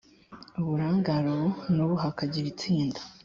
uburangare ubu n ubu hakagira itsinda